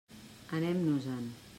Anem-nos-en.